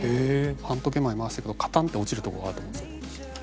反時計回りに回していくとカタンって落ちるところがあると思うんですよ。